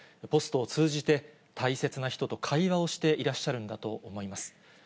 ポストを通じて、大切な人と会話をしていらっしゃるんだと思います。